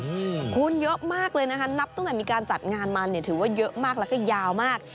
อืมคูณเยอะมากเลยนะคะนับตั้งแต่มีการจัดงานมาเนี่ยถือว่าเยอะมากแล้วก็ยาวมาก